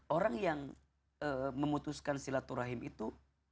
orang yang memutuskan silaturahim itu